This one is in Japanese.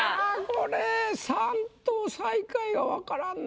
これ３と最下位は分からんな。